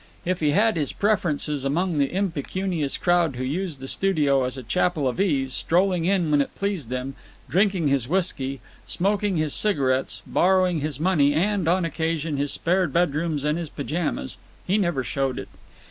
If he had his preferences among the impecunious crowd who used the studio as a chapel of ease, strolling in when it pleased them, drinking his whisky, smoking his cigarettes, borrowing his money, and, on occasion, his spare bedrooms and his pyjamas, he never showed it.